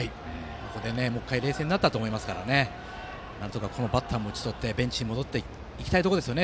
ここでもう１回冷静になったと思いますからなんとかこのバッターも打ち取ってベンチに戻りたいとこですね